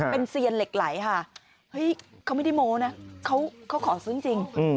เป็นเซียนเหล็กไหลค่ะเฮ้ยเขาไม่ได้โม้นะเขาขอซื้อจริง